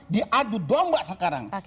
diadu dong mbak sekarang